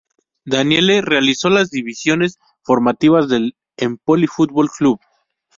Daniele realizó las divisiones formativas del Empoli Football Club.